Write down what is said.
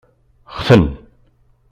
Xten.